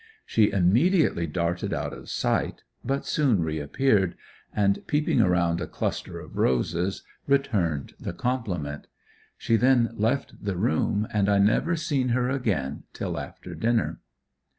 She immediately darted out of sight, but soon re appeared and peeping around a cluster of roses, returned the compliment. She then left the room and I never seen her again till after dinner.